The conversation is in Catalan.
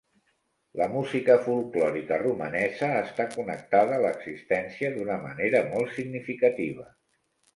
La música folklòrica romanesa està connectada a l'existència d'una manera molt significativa.